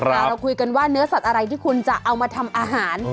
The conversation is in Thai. เราคุยกันว่าเนื้อสัตว์อะไรที่คุณจะเอามาทำอาหาร